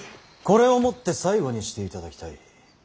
これをもって最後にしていただきたい。